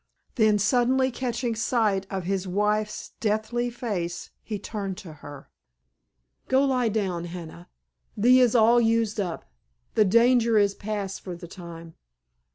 Then suddenly catching sight of his wife's deathly face he turned to her. "Go lie down, Hannah, thee is all used up. The danger is past for the time.